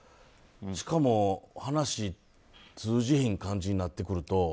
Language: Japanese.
しかも、話通じへん感じになってくると。